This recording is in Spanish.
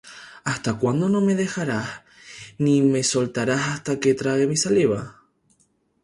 ¿Hasta cuándo no me dejarás, Ni me soltarás hasta que trague mi saliva?